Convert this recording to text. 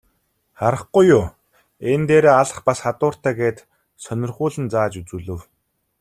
Харахгүй юу, энэ дээрээ алх бас хадууртай гээд сонирхуулан зааж үзүүлэв.